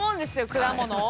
果物を。